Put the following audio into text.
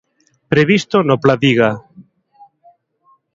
Previsto no Pladiga.